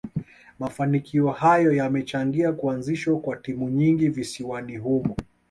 Mafanikio hayo yamechangia kuazishwa kwa timu nyingi visiwani humo